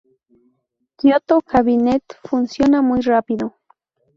Kyoto Cabinet funciona muy rápido.